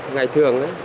ngày thường đấy